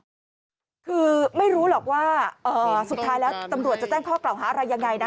คือไม่รู้หรอกว่าสุดท้ายแล้วตำรวจจะแจ้งข้อกล่าวหาอะไรยังไงนะ